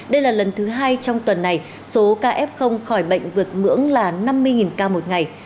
đây là lần thứ hai trong tuần này số ca f khỏi bệnh vượt ngưỡng là năm mươi ca một ngày